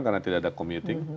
karena tidak ada commuting